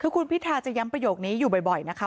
คือคุณพิทาจะย้ำประโยคนี้อยู่บ่อยนะคะ